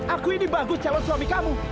aku ini bagus calon suami kamu